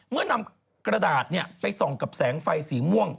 เมื่อนำกระดาษไปส่องกับแสงไฟสีม่วง